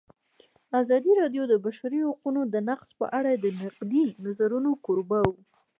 ازادي راډیو د د بشري حقونو نقض په اړه د نقدي نظرونو کوربه وه.